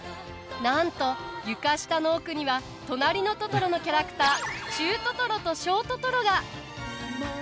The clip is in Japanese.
なんと、床下の奥には「となりのトトロ」のキャラクター中トトロと小トトロが。